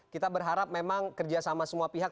kita berharap memang kerja sama semua pihak